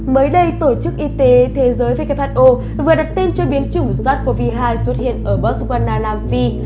mới đây tổ chức y tế thế giới who vừa đặt tên cho biến chủng sars cov hai xuất hiện ở botswana nam phi